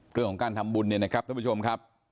เรื่องของการทำบุญเนี่ยนะครับท่านผู้ชมครับ